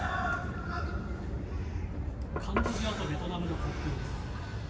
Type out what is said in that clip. カンボジアとベトナムの国境です。